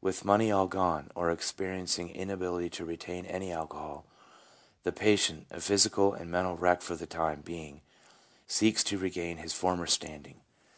With money all gone, or experiencing inability to retain any alcohol, the patient, a physical and mental wreck for the time being, seeks to regain his former standing.